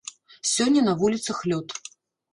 Сёння на вуліцах лёд.